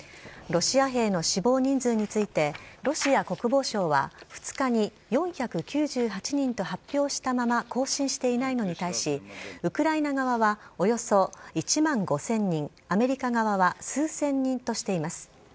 ロシア兵の死亡人数について、ロシア国防省は、２日に４９８人と発表したまま、更新していないのに対し、ウクライナ側はおよそ１万５０００人、アメリカ側は数千人としています。